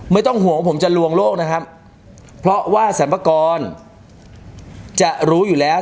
ไม่ต้องห่วงว่าผมจะลวงโลกนะครับเพราะว่าสรรพากรจะรู้อยู่แล้ว